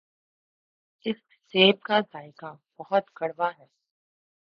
اس سیب کا ذائقہ بہت کڑوا ہے۔